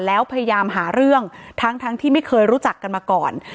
แล้วพยายามหาเรื่องทั้งที่ไม่เคยรู้จักกันมาก่อน